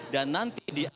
dan nanti diantaranya